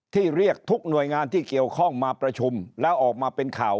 เรียกทุกหน่วยงานที่เกี่ยวข้องมาประชุมแล้วออกมาเป็นข่าว